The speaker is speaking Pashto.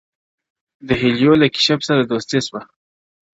• د هیلیو له کشپ سره دوستي سوه -